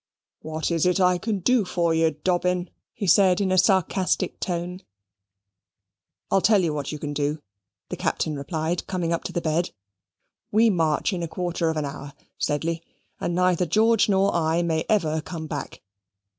"What is it I can do for you, Dobbin?" he said, in a sarcastic tone. "I tell you what you can do," the Captain replied, coming up to the bed; "we march in a quarter of an hour, Sedley, and neither George nor I may ever come back.